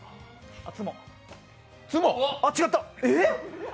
ツモあっ、違った。